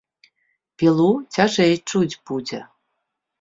Пілу цяжэй чуць будзе.